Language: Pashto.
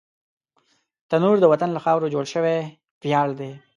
تنور د وطن له خاورو جوړ شوی ویاړ دی